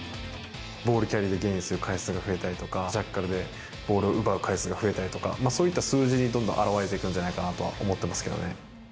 ボールを前に運ぶ回数が増えたりとか、ジャッカルでボールを奪う回数が増えたりとか、そういった数字に表れていくんじゃないかなと思っていますけどね。